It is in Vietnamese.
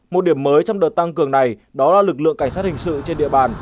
một điểm mới trong đợt tăng cường này đó là lực lượng cảnh sát hình sự trên địa bàn